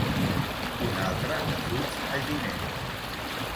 Un altre que fuig a Ginebra!